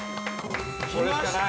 来ました。